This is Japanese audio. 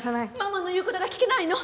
ママの言う事が聞けないの？